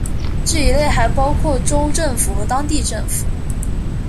这一类还包括州政府和当地政府。